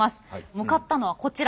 向かったのはこちら。